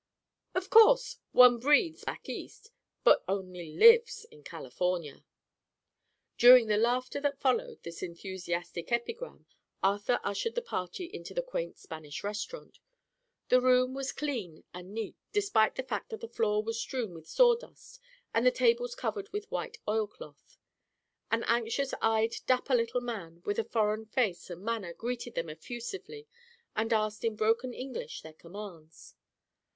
"Of course. One breathes, back east, but only lives in California." During the laughter that followed this enthusiastic epigram Arthur ushered the party into the quaint Spanish restaurant. The room was clean and neat, despite the fact that the floor was strewn with sawdust and the tables covered with white oilcloth. An anxious eyed, dapper little man with a foreign face and manner greeted them effusively and asked in broken English their commands.